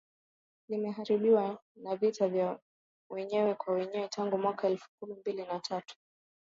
limeharibiwa na vita vya wenyewe kwa wenyewe tangu mwaka elfu mbili kumi na tatu